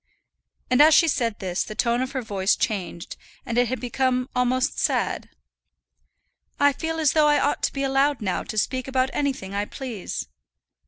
And as she said this the tone of her voice was changed, and it had become almost sad. "I feel as though I ought to be allowed now to speak about anything I please."